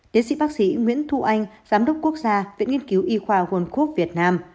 tiến sĩ bác sĩ nguyễn thu anh giám đốc quốc gia viện nghiên cứu y khoa world cup việt nam